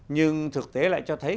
nhưng thực tế lại cho thấy